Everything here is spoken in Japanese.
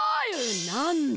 なんだ？